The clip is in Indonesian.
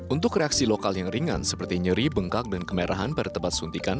untuk reaksi lokal yang ringan seperti nyeri bengkak dan kemerahan pada tempat suntikan